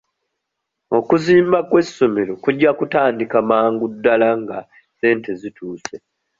Okuzimba kw'essomero kujja kutandika mangu ddala nga ssente zituuse.